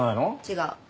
違う。